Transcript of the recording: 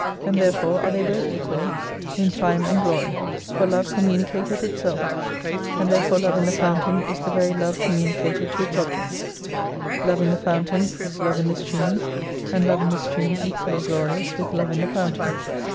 And therefore are they both equal in Time no and Glory. For love commumcateth itself : And therefore love in the fountain is the very love com municated to its object. Love in the fountain is love in the stream, and love in the stream equally glorious with love in the fountain.